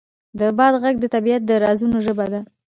د باد غږ د طبیعت د رازونو ژبه ده.